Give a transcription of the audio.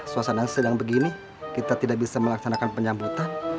suasana sedang begini kita tidak bisa melaksanakan penyambutan